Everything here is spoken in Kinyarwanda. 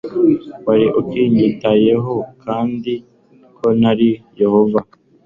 wari ukinyitayeho, kandi ko na yehova